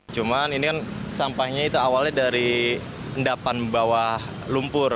cuman ini kan sampahnya itu awalnya dari endapan bawah lumpur